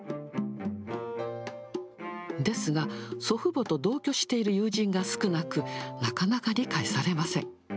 ですが、祖父母と同居している友人が少なく、なかなか理解されません。